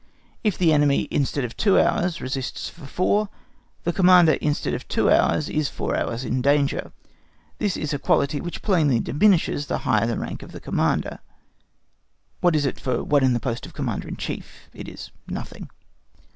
If the enemy, instead of two hours, resists for four, the Commander instead of two hours is four hours in danger; this is a quantity which plainly diminishes the higher the rank of the Commander. What is it for one in the post of Commander in Chief? It is nothing.